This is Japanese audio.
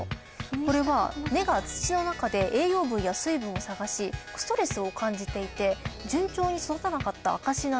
これは根が土の中で栄養分や水分を探しストレスを感じていて順調に育たなかった証しなんですね。